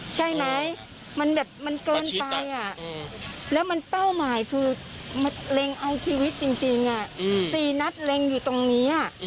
ใช่ไหมมันแบบมันเกินไปแล้วมันเป้าหมายคือเล็งเอาชีวิตจริง๔นัดเล็งอยู่ตรงนี้